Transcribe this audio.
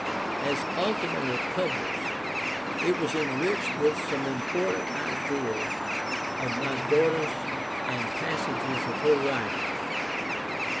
As ultimately published [it was enriched with some important ideas of my daughter's, and passages of her writing.